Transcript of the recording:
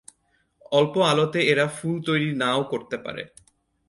অল্প আলোতে এরা ফুল তৈরি নাও করতে পারে।